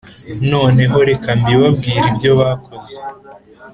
Noneho reka mbibabwire ibyo bakoze